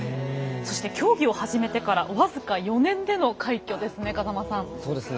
そして競技を始めてからわずか４年での快挙ですね。